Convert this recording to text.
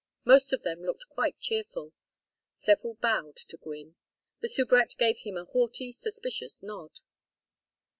Most of them looked quite cheerful. Several bowed to Gwynne. The soubrette gave him a haughty suspicious nod.